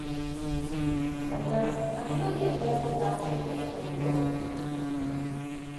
Baina animalien beharretan pentsatzen al dugu?